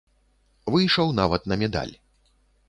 Выйшаў нават на медаль.